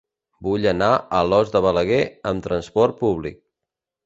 Vull anar a Alòs de Balaguer amb trasport públic.